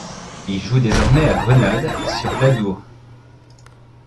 Il joue désormais à Grenade sur l'Adour.